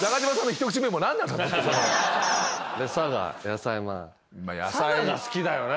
佐賀が好きだよな。